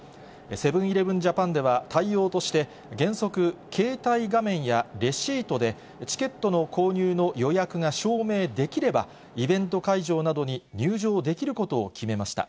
セブンーイレブン・ジャパンでは対応として、原則、携帯画面やレシートで、チケットの購入の予約が証明できれば、イベント会場などに入場できることを決めました。